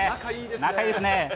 仲いいですね。